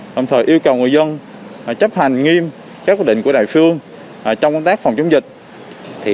đồng thời yêu cầu người dân chấp hành nghiêm các quyết định của đại phương trong công tác phòng chống dịch